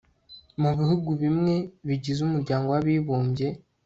mu bihugu bimwe bigize umuryango w'abibumbye